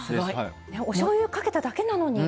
おしょうゆかけただけなのに。